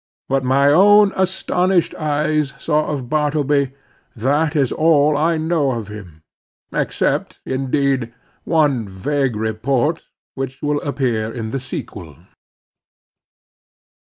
What my own astonished eyes saw of Bartleby, that is all I know of him, except, indeed, one vague report which will appear in the sequel.